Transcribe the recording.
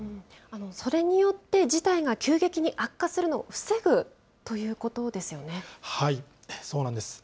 それによって事態が急激に悪化するのを防ぐということですよそうなんです。